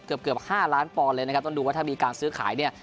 เกือบ๕ล้านปอนด์เลยนะครับต้องดูว่าถ้ามีการซื้อขายเนี่ย